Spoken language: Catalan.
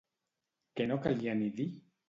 Què no calia ni dir?